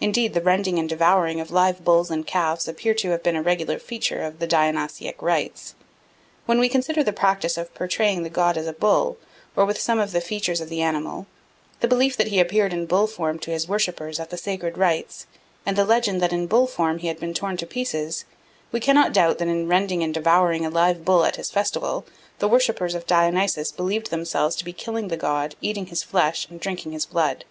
Indeed, the rending and devouring of live bulls and calves appear to have been a regular feature of the Dionysiac rites. When we consider the practice of portraying the god as a bull or with some of the features of the animal, the belief that he appeared in bull form to his worshippers at the sacred rites, and the legend that in bull form he had been torn in pieces, we cannot doubt that in rending and devouring a live bull at his festival the worshippers of Dionysus believed themselves to be killing the god, eating his flesh, and drinking his blood.